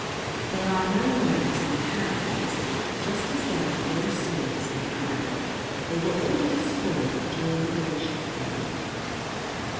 "There are no worms in Canada, Lizzie, just as there are no snakes in Ireland. They were all destroyed during the glacial period."